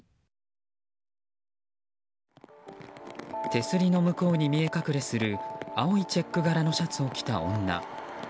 手すりの向こうに見え隠れする青いチェック柄のシャツを着た女。